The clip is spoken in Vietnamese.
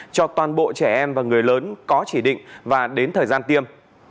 cho toàn bộ trẻ em và người lớn có chỉ định và đến thời gian tiêm